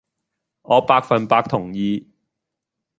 我百份百同意